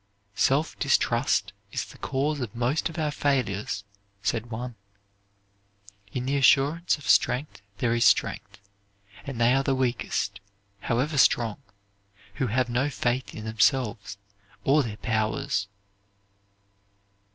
"Self distrust is the cause of most of our failures," said one. "In the assurance of strength there is strength, and they are the weakest, however strong, who have no faith in themselves or their powers."